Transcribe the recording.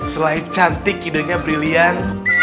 selain cantik idenya brilian